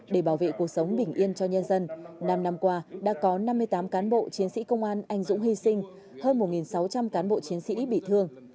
để bảo vệ cuộc sống bình yên cho nhân dân năm năm qua đã có năm mươi tám cán bộ chiến sĩ công an anh dũng hy sinh hơn một sáu trăm linh cán bộ chiến sĩ bị thương